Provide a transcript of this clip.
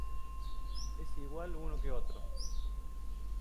Es igual uno que otro.